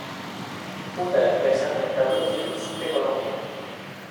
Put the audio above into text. Funda la empresa Centauro Films de Colombia.